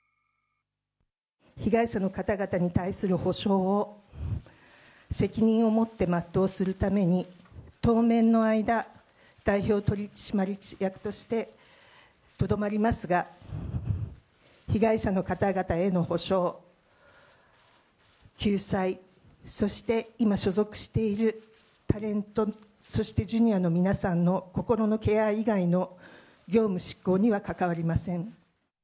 被害者の方々に対する補償を責任を持って全うするために、当面の間、代表取締役としてとどまりますが、被害者の方々への補償・救済、そして今、所属しているタレント、そしてジュニアの皆さんの心のケア以外の業務執行には関わりません。